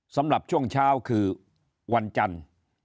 สำหรับช่วงเช้าคือวันจันทร์